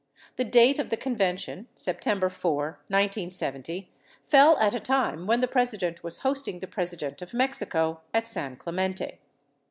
The date of the convention, Sep tember 4, 1970, fell at a time when the President was hosting the Pres ident of Mexico at San Clemente.